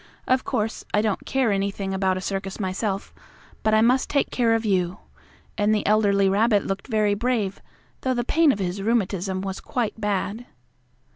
Of course, I don't care anything about a circus myself, but I must take care of you," and the elderly rabbit looked very brave, though the pain of his rheumatism was quite bad.